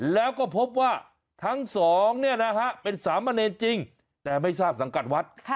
แล้วก็พบว่าทั้งสองเป็นสามเมนต์จริงแต่ไม่ทราบสังกัดวัด